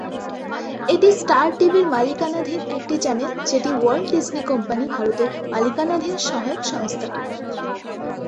এটি স্টার টিভির মালিকানাধীন একটি চ্যানেল, যেটি ওয়াল্ট ডিজনি কোম্পানি ভারত-এর মালিকানাধীন সহায়ক সংস্থা।